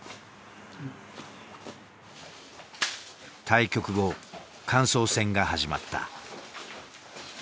対局後感想戦が始まった。